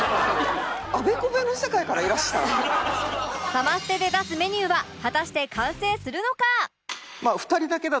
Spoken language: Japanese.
サマステで出すメニューは果たして完成するのか？